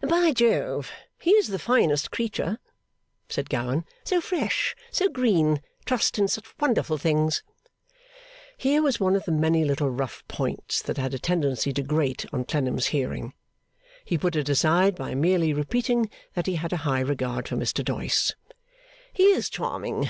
'By Jove, he is the finest creature!' said Gowan. 'So fresh, so green, trusts in such wonderful things!' Here was one of the many little rough points that had a tendency to grate on Clennam's hearing. He put it aside by merely repeating that he had a high regard for Mr Doyce. 'He is charming!